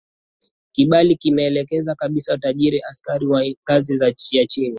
Kibali kimeelekeza kabisa tuajiri askari wa ngazi ya chini